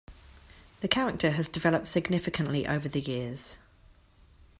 The character has developed significantly over the years.